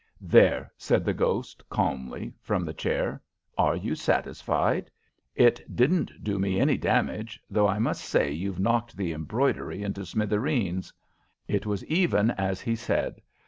"There," said the ghost, calmly, from the chair. "Are you satisfied? It didn't do me any damage; though I must say you've knocked the embroidery into smithereens." It was even as he said.